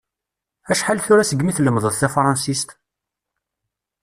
Acḥal tura segmi tlemmdeḍ tafransist?